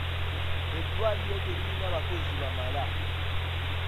Eddwaliro teririna bakozi bamala.